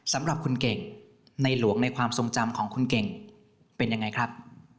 สำหรับคุณเก่งในหลวงในความทรงจำของคุณเก่งเป็นยังไงครับ